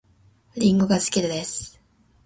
りんごが好きです